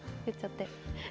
言っちゃって。